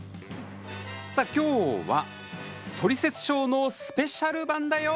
今日は、「トリセツショー」のスペシャル版だよ！